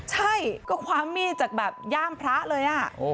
ใช่ก็คว้ามีดจากแบบย่ามพระเลย